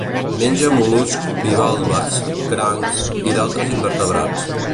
Menja mol·luscs bivalves, crancs i d'altres invertebrats.